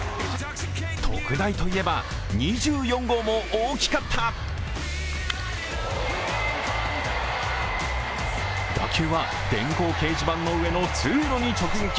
特大といえば、２４号も大きかった打球は電光掲示板の上の通路に直撃。